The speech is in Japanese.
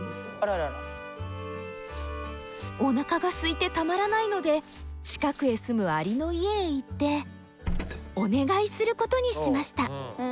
おなかがすいてたまらないので近くへ住むアリの家へ行ってお願いすることにしました。